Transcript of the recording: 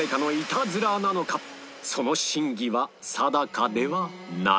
その真偽は定かではない